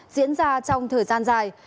diễn ra trong thời gian dài